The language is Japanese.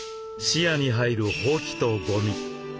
視野に入るほうきとごみ。